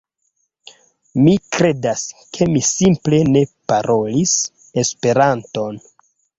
Mi kredas, ke mi simple ne parolis Esperanton.